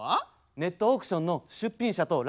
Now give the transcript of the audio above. ネットオークションの出品者と落札者です。